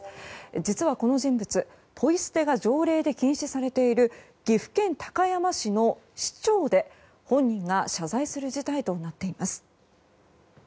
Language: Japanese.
実はこの人物ポイ捨てが条例で禁止されている岐阜県高山市の市長で本人が謝罪する事態となっています。